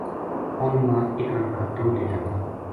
اُن ما اِکن کا دو لیلا تھا